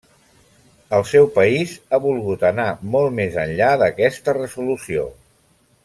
El seu país ha volgut anar molt més enllà d'aquesta resolució.